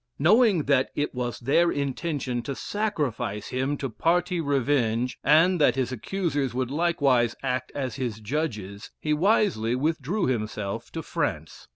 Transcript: Knowing that it was their intention to sacrifice him to party revenge, and that his accusers would likewise act as his judges, he wisely withdrew himself to France.